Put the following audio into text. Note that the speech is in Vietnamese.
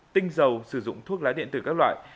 tinh dầu sử dụng thuốc lá điện tử các loại